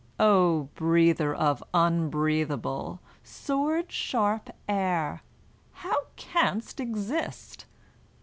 O breather of unbreathable, sword sharp air, How canst exist?